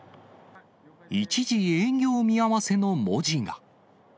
一時営業見合わせの文字が。